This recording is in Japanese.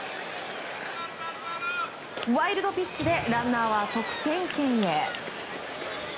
ワイルドピッチでランナーは得点圏へ。